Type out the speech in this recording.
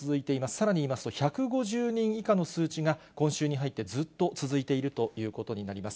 さらに言いますと、１５０人以下の数値が今週に入ってずっと続いているということになります。